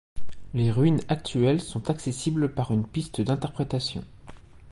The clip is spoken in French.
Les ruines actuelles sont accessibles par une piste d'interprétation.